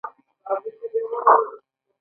هغه بررسي د نړیوال تفتیش معیارونه لري.